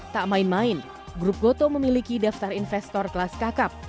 tak main main grup goto memiliki daftar investor kelas kakap